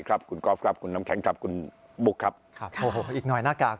ครับคุณกรอบครับคุณน้ำแข็งครับคุณบุคครับอีกหน่อยหน้ากาก